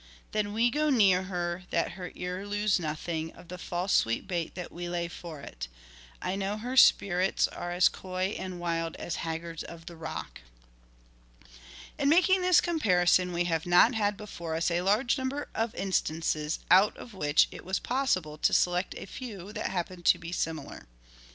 Then go we near her, that her ear lose nothing Of the false sweet bait that we lay for it. I know her spirits are as coy and wild As haggards of the rock." In making this comparison we have not had before us a large number of instances out of which it was possible to select a few that happened to be similar.